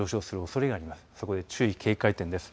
そこで注意、警戒点です。